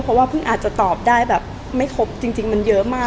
เพราะว่าเพิ่งอาจจะตอบได้แบบไม่ครบจริงมันเยอะมาก